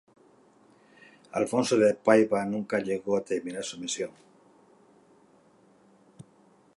Afonso de Paiva nunca llegó a terminar su misión.